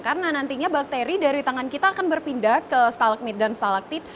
karena nantinya bakteri dari tangan kita akan berpindah ke stalagmit dan stalaktit